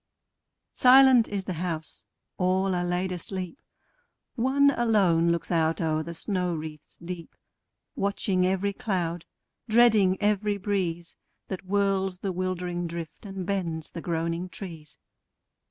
Silent is the house: all are laid asleep: One alone looks out o'er the snow wreaths deep, Watching every cloud, dreading every breeze That whirls the wildering drift, and bends the groaning trees.